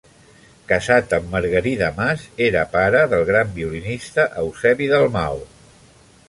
Casat amb Margarida Mas era pare del gran violinista Eusebi Dalmau.